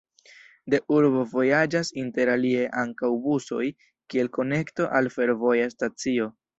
De urbo vojaĝas interalie ankaŭ busoj kiel konekto al fervoja stacio.